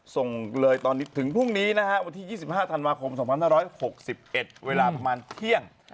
ส่งเลยตอนนี้ถึงพรุ่งนี้นะฮะวันที่๒๕ธันวาคม๒๕๖๑เวลาประมาณเที่ยง